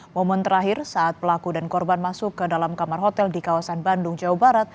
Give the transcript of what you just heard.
momen terakhir saat pelaku dan korban masuk ke dalam kamar hotel di kawasan bandung jawa barat